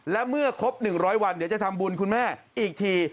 และเมื่อครบ๑๐๐วันเดี๋ยวจะทำบุญคุณแม่อีกที